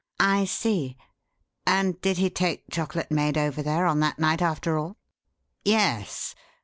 "I see. And did he take Chocolate Maid over there on that night, after all?" "Yes.